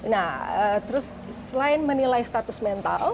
nah terus selain menilai status mental